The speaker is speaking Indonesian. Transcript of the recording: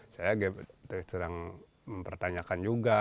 saya juga sering mempertanyakan juga